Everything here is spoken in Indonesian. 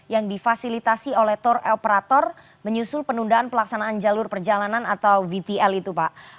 yang difasilitasi oleh tour operator menyusul penundaan pelaksanaan jalur perjalanan atau vtl itu pak